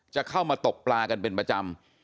จะเข้ามาตกปลากันเป็นประจำ